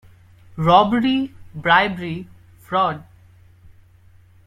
Robbery, bribery, fraud,